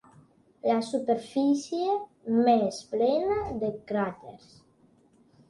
La superfície més plena de cràters.